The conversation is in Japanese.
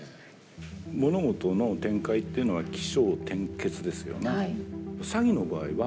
物事の展開っていうのは起承転結ですよね。